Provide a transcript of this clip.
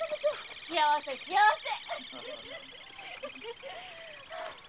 幸せ幸せ。